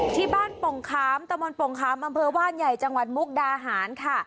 ที่บ้านปงคามตมปงคามบว่านใหญ่จังหวัดมุกดาหารค่ะ